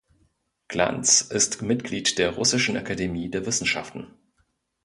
Glantz ist Mitglied der Russischen Akademie der Wissenschaften.